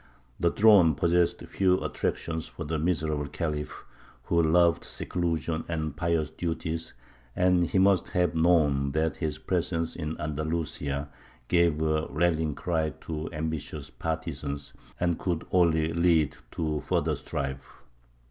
The throne possessed few attractions for the miserable Khalif, who loved seclusion and pious duties; and he must have known that his presence in Andalusia gave a rallying cry to ambitious partisans, and could only lead to further strife.